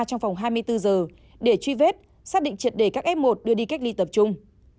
trong vòng hai mươi bốn giờ để truy vết xác định triệt đề các f một đưa đi cách ly tập trung